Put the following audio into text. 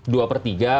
dua per tiga